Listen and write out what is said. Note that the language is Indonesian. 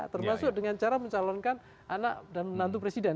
termasuk dengan cara mencalonkan anak dan menantu presiden